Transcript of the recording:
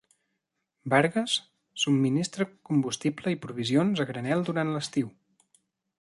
Barges subministra combustible i provisions a granel durant l'estiu.